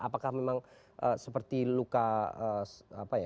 apakah memang seperti luka apa ya